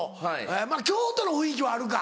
まぁ京都の雰囲気はあるか。